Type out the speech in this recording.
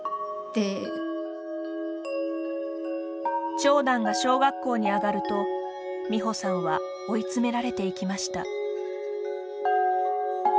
長男が小学校に上がると美保さんは追い詰められていきました。